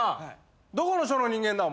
どこの署の人間だ？